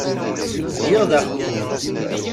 Zgiɣ d axemmem.